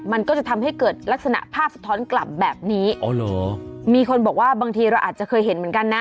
มันก็จะทำให้เกิดลักษณะภาพสะท้อนกลับแบบนี้อ๋อเหรอมีคนบอกว่าบางทีเราอาจจะเคยเห็นเหมือนกันนะ